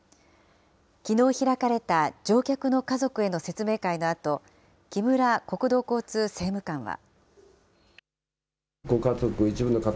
きのう開かれた乗客の家族への説明会のあと、木村国土交通政務官は。